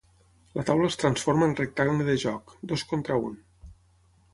La taula es transforma en rectangle de joc, dos contra un.